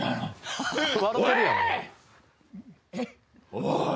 おい！